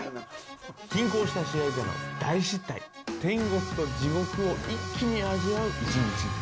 均衡した試合での大失態天国と地獄を一気に味わう一日。